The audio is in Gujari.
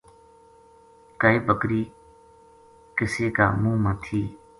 کائے بکری کَسی کا مُنہ ما تھی